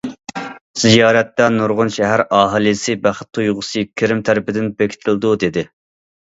زىيارەتتە نۇرغۇن شەھەر ئاھالىسى بەخت تۇيغۇسى كىرىم تەرىپىدىن بېكىتىلىدۇ دېدى.